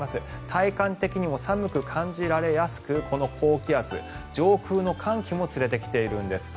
体感的にも寒く感じられやすくこの高気圧、上空の寒気も連れてきているんです。